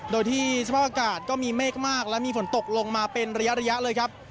โดยที่สภาพอากาศก็มีเมฆมากและมีฝนตกลงมาเป็นระยะเลยครับ